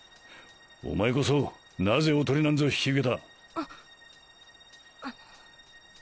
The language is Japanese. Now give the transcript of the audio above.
お前こそなぜおとりなんぞ引き受けた？あっ。